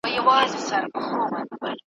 ګل غوندي رخسار که دي و نه وینم